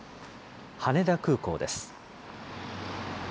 羽田空港です。